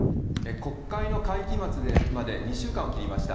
国会の会期末まで２週間を切りました。